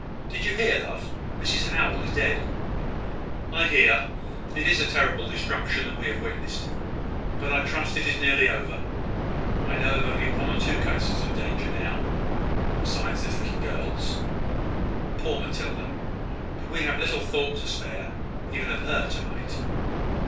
Did you hear, love? Mrs Howell is dead." "I hear. It is a terrible destruction that we have witnessed. But I trust it is nearly over. I know of only one or two cases of danger now, besides this little girl's. Poor Matilda! But we have little thought to spare, even for her, to night.